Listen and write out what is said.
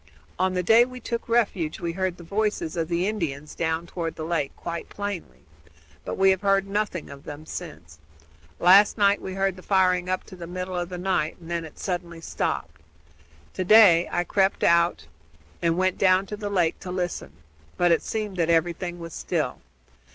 On the day we took refuge we heard the voices of the Indians down toward the lake quite plainly, but we have heard nothing of them since. Last night we heard the firing up to the middle of the night, and then it suddenly stopped. To day I crept out and went down to the lake to listen; but it seemed that everything was still.